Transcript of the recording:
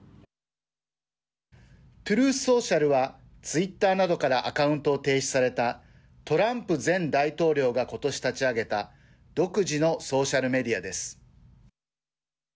トゥルース・ソーシャルはツイッターなどからアカウントを停止されたトランプ前大統領がことし立ち上げた独自のソーシャル・メディアです。